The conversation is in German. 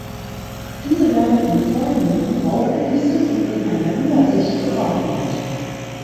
Diese werden im Folgenden aufgelistet und in einer Übersicht geordnet.